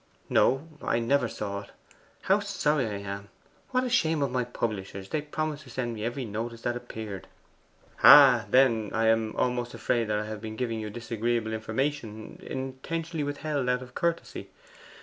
'No, I never saw it. How sorry I am! What a shame of my publishers! They promised to send me every notice that appeared.' 'Ah, then, I am almost afraid I have been giving you disagreeable information, intentionally withheld out of courtesy.